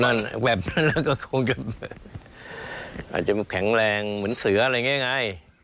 แบบนั้นแล้วก็คงจะอาจจะแข็งแรงเหมือนเสืออะไรอย่างนี้ไง